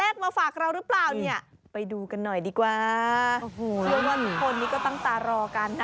งากเสียงโต